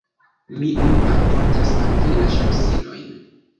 Nun mi alportas al vi la ŝlosilojn!